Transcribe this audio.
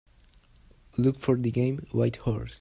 Look for the game Whitehorse